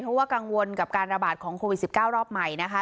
เพราะว่ากังวลกับการระบาดของโควิด๑๙รอบใหม่นะคะ